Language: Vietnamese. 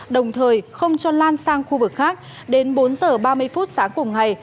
đồng thời không cho lan sang khu vực khác đến bốn h ba mươi phút sáng cùng ngày